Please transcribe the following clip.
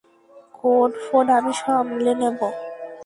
কোড-ফোড আমি সামলে নেবো।